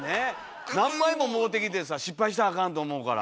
何枚ももろてきてさ失敗したらあかんと思うから。